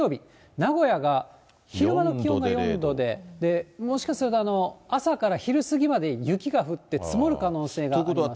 名古屋が、昼間の気温が４度で、もしかすると朝から昼過ぎまで雪が降って、積もる可能性があります。